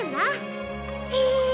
へえ！